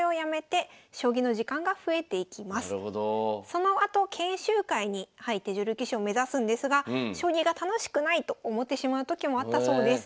そのあと研修会に入って女流棋士を目指すんですが将棋が楽しくないと思ってしまう時もあったそうです。